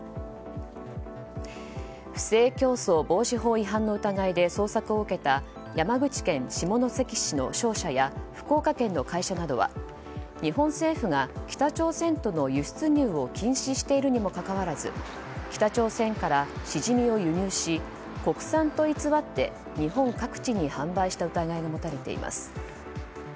不正競争防止法違反の疑いで捜索を受けた山口県下関市の商社や福岡県の会社などは日本政府が北朝鮮との輸出入を禁止しているにもかかわらず北朝鮮からシジミを輸入し国産と偽って日本各地に販売した疑いが持たれています。